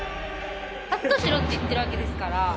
カットしろって言ってるわけですから。